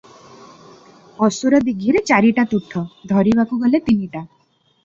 ଅସୁର ଦୀଘିରେ ଚାରିଟାତୁଠ, ଧରିବାକୁ ଗଲେ ତିନିଟା ।